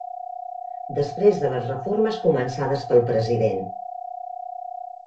Després de les reformes començades pel president.